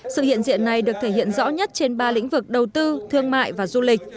sự hiện diện này được thể hiện rõ nhất trên ba lĩnh vực đầu tư thương mại và du lịch